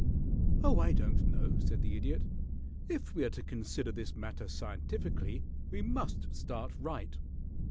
"Oh, I don't know," said the Idiot. "If we are to consider this matter scientifically we must start right.